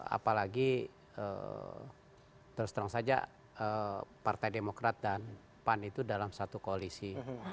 apalagi terus terang saja partai demokrat dan pan itu dalam satu koalisi